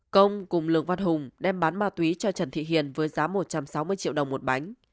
công cùng lường văn hùng đem bán ma túy cho trần thị hiền với giá một trăm sáu mươi triệu đồng một bánh